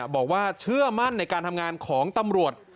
บอกว่าเชื่อมั่นในการทำงานของตำรวจ